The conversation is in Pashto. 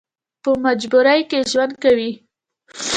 په مجبورۍ کې ژوند کوي.